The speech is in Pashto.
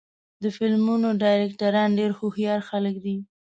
د فلمونو ډایرکټران ډېر هوښیار خلک دي.